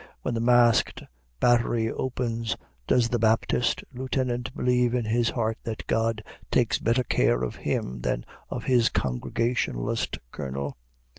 When the masked battery opens, does the "Baptist" Lieutenant believe in his heart that God takes better care of him than of his "Congregationalist" Colonel?